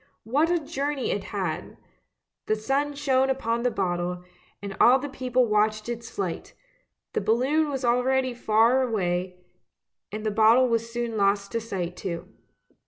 What a journey it had! The sun shone upon the bottle, and all the people watched its flight; the balloon was already far away, and the bottle was soon lost to sight too.